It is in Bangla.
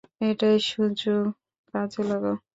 এটাই সুযোগ, কাজে লাগাও।